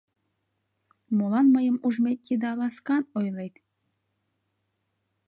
Молан мыйым ужмет еда ласкан ойлет?